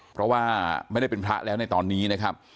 เพราะว่าไม่ได้เป็นพระแล้วในตอนนี้นะครับ